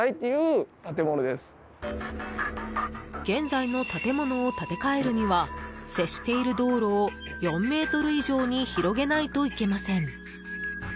現在の建物を建て替えるには接している道路を４ｍ以上に広げないといけません。